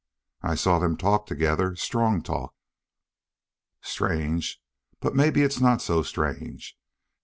"I saw them talk together strong talk." "Strange. But maybe it's not so strange.